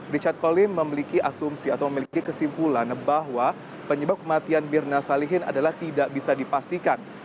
richard colin memiliki asumsi atau memiliki kesimpulan bahwa penyebab kematian mirna salihin adalah tidak bisa dipastikan